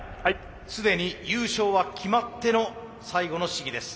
すでに優勝は決まっての最後の試技です。